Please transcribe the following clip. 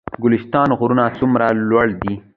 ګلستان غرونه څومره لوړ دي؟